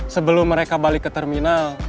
sebelum mereka balik ke terminal